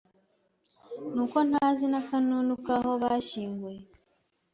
nuko ntazi n'akanunu kaho bashyinguye